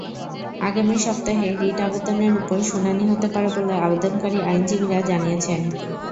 আগামী সপ্তাহে রিট আবেদনের ওপর শুনানি হতে পারে বলে আবেদনকারী আইনজীবীরা জানিয়েছেন।